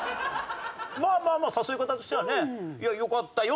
まあまあまあ誘い方としてはねよかったような気はする。